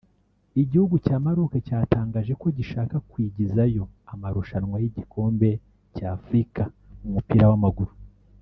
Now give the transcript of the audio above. Igihugu cya Maroc cyatangaje ko gishaka kwigizayo amarushnwa y’igikombe yca Afrika mu mupira w’amaguru